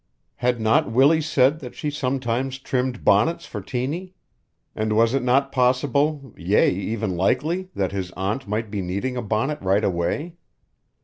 Had not Willie said that she sometimes trimmed bonnets for Tiny? And was it not possible, yea, even likely that his aunt might be needing a bonnet right away.